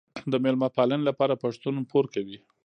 د میلمه پالنې لپاره پښتون پور کوي.